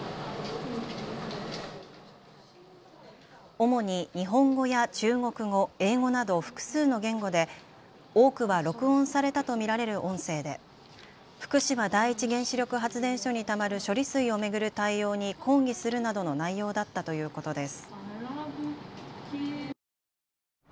主に日本語や中国語、英語など複数の言語で多くは録音されたと見られる音声で福島第一原子力発電所にたまる処理水を巡る対応に抗議するなどの内容だったということです。